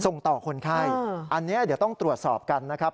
ส่งต่อคนไข้อันนี้เดี๋ยวต้องตรวจสอบกันนะครับ